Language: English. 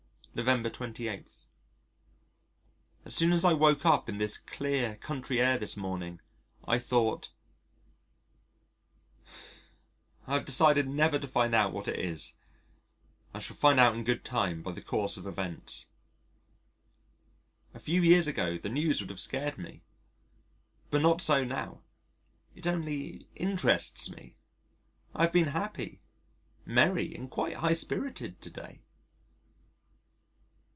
November 28. As soon as I woke up in this clear, country air this morning, I thought: . I have decided never to find out what it is. I shall find out in good time by the course of events. A few years ago, the news would have scared me. But not so now. It only interests me. I have been happy, merry, and quite high spirited to day.